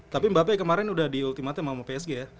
tapi mba pe kemaren udah di ultimaten sama psg ya